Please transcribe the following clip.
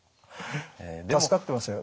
助かってますよ。